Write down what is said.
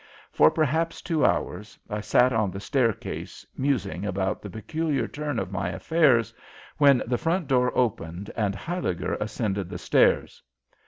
For perhaps two hours I sat on that staircase musing about the peculiar turn in my affairs, when the front door opened and Huyliger ascended the stairs.